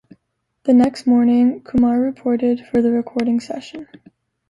The next morning, Kumar reported for the recording session.